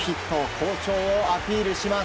好調をアピールします。